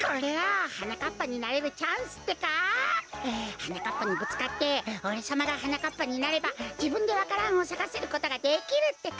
はなかっぱにぶつかっておれさまがはなかっぱになればじぶんでわか蘭をさかせることができるってか！